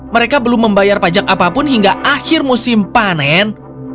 mereka belum membayar pajak apapun hingga akhir musim panen